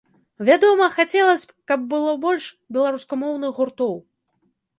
Вядома, хацелася б, каб было больш беларускамоўных гуртоў.